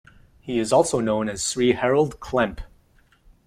He is also known as Sri Harold Klemp.